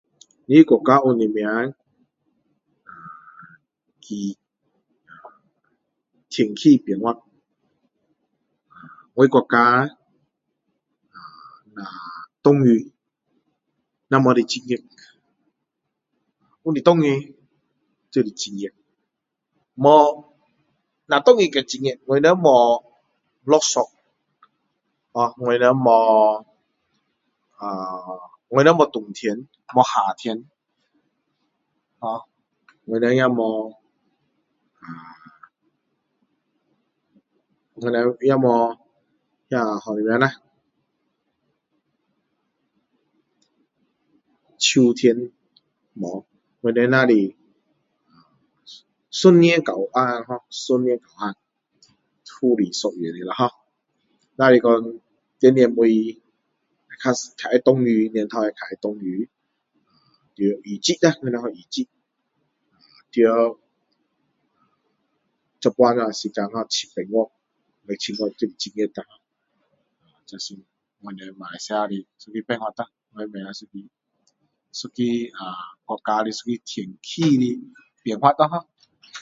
我的国家有什么呃气天气变化呃我国家呃只有下雨不然的话就很热不是下雨就是很热没有只有我们没有下雪hor我们没有呃我们没有冬天没有夏天hor 我们也没有啊我们也没有那个叫什么啦秋天我们没有我们只有一年到晚hor 一年到晚都是一样的hor 只是说在年尾会会比较下雨年头比较会下雨在雨季啦我们叫雨季在现在的这样的时间七八月六七中很热啦这个是我们马来西亚的一个办法啦一个一个啊国家的一个天气变化啦hor